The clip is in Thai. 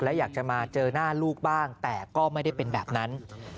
และอยากจะมาเจอหน้าลูกบ้างแต่ก็ไม่ได้เป็นแบบนั้น